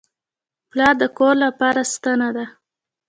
پلار د کور لپاره ستنه ده.